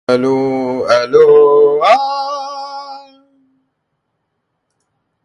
He died tragically after being beaten by thugs and hidden from view under stairs.